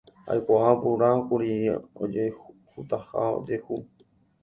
aikuaaporãkuri ojehutaha ha ojehu